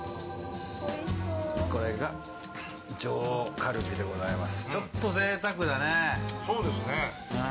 これが上カルビでございます。